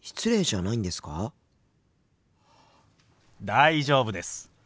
大丈夫です。